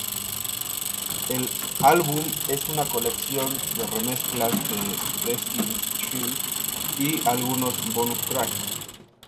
El álbum es una colección de remezclas de Destiny's Child y algunos "bonus track".